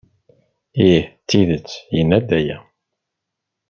Ih, d tidet yenna-d aya.